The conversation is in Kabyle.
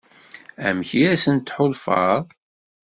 Amek i asent-tḥulfaḍ?